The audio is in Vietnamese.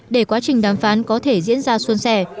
để quá trình đàm phán có thể diễn ra xuân sẻ